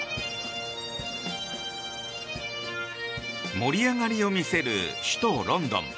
盛り上がりを見せる首都ロンドン。